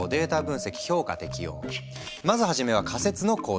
まず初めは仮説の構築。